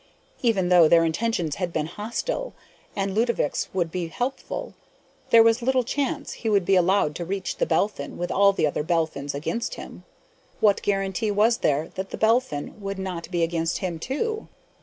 Even though their intentions had been hostile and Ludovick's would be helpful, there was little chance he would be allowed to reach The Belphin with all the other Belphins against him. What guarantee was there that The Belphin would not be against him, too?